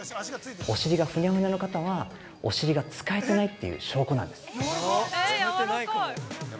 お尻がふにゃふにゃの方はお尻が使えてないっていう証拠なんです。